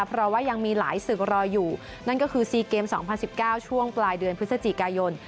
เพราะว่ายังมีหลายศึกรออยู่นั่นก็คือ๔เกม๒๐๑๙ช่วงปลายเดือนพฤศจิกายน